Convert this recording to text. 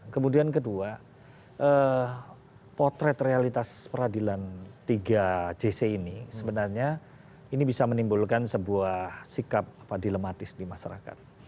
kemudian kedua potret realitas peradilan tiga jc ini sebenarnya ini bisa menimbulkan sebuah sikap dilematis di masyarakat